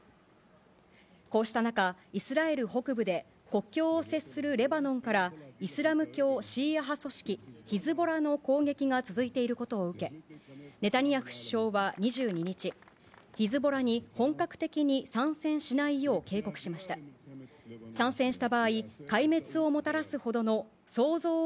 こうした中、イスラエル北部で国境を接するレバノンから、イスラム教シーア派組織ヒズボラの攻撃が続いていることを受け、ネタニヤフ首相は２２日、ヒズボラに本格的に参戦しないよう警告日本初うまい生ビールでオフが出た！